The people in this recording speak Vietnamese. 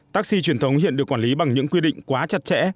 taxi truyền thống hiện được quản lý bằng những quy định quá chặt chẽ